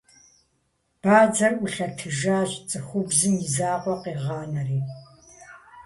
Бадзэр ӏулъэтыжащ, цӏыхубзым и закъуэ къигъанэри.